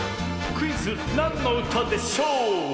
クイズ「なんのうたでしょう」！